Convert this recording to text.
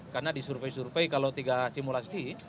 karena di survei survei kalau tiga simulasi